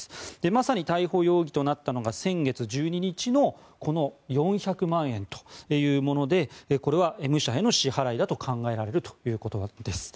まさに逮捕容疑となったのが先月１２日の４００万円というものでこれはＭ社への支払いだと考えられるということです。